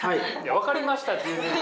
分かりましたって。